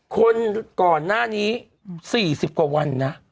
คนก่อนหน้านี้สี่สิบความวันนะ